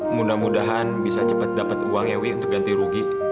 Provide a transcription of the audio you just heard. mudah mudahan bisa cepat dapet uangnya wi untuk ganti rugi